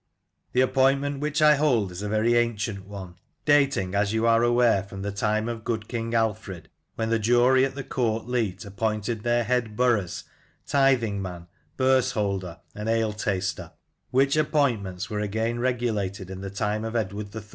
" The appointment which I hold is a very ancient one, dating, as you are aware, from the time of good King Alfred, when the jury at the Court Leet appointed their head boroughs, tithing man, bursholder, and ale taster; which appointments were again regulated in the time of Edward III.